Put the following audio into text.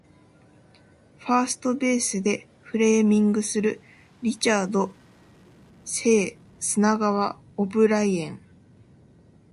ファーストベースでフレーミングするリチャード誠砂川オブライエン